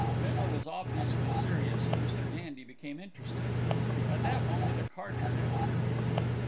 Bindle was obviously serious, and Mr. Gandy became interested. At that moment a carter entered.